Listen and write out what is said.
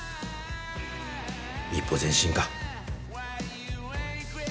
一歩前進か。